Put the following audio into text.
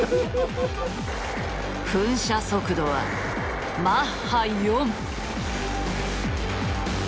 噴射速度はマッハ４。